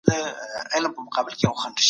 شاعرانو ټولنیز مسایل په شعرونو کې مطرح کړي.